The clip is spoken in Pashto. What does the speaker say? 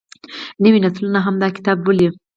نوې نسلونه هم دا کتاب لولي.